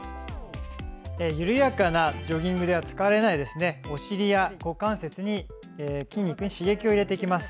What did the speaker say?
緩やかなジョギングでは使われないお尻や股関節の筋肉に刺激を入れていきます。